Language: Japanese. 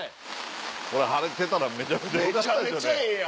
これ晴れてたらめちゃくちゃよかったでしょうね。